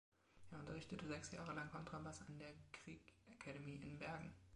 Er unterrichtete sechs Jahre lang Kontrabass an der Grieg Academy in Bergen.